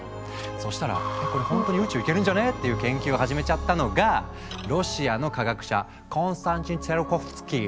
そしたら「えこれほんとに宇宙行けるんじゃね？」っていう研究を始めちゃったのがロシアの科学者コンスタンチン・ツィオルコフスキー。